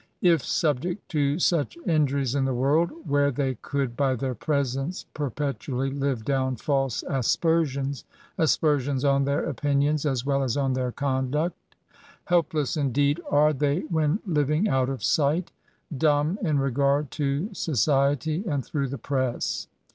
If subject to such injuries in the world, where they coidd by their presence perpetually live down false aspersions, (aspersions on their opinions as well as on their conduct,) helpless indeed arie they when living out of sight, dumb in regard to society and through the press.